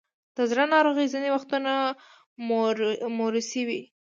د زړه ناروغۍ ځینې وختونه موروثي وي.